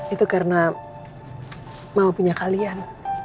itu karena mama punya kalian